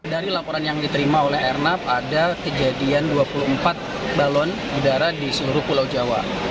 dari laporan yang diterima oleh airnav ada kejadian dua puluh empat balon udara di seluruh pulau jawa